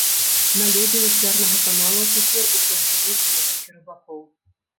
На лёдзе вяслярнага канала ў чацвер усё ж былі некалькі рыбакоў.